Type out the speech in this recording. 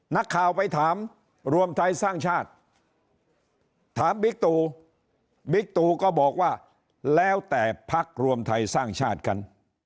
นักข่าวไปถามรวมไทยสร้างชาติถามบิ๊กตูบิ๊กตูก็บอกว่าแล้วแต่พักรวมไทยสร้างชาติกัน